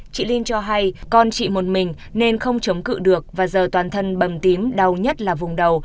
chị linh cho hay con chị một mình nên không chống cự được và giờ toàn thân bầm tím đau nhất là vùng đầu